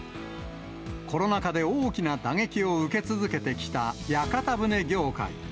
コロナ禍で大きな打撃を受け続けてきた屋形船業界。